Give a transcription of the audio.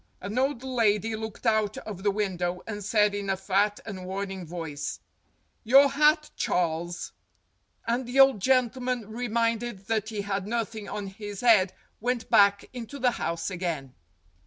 An old lady looked out of the window and said in a fat and warning voice, "Your hat, Charles." And the old gentleman, reminded that he had nothing on his head, went back into the house again.